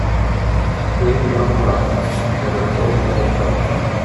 Guím gach rath ar bhur gcomhdháil tábhachtach.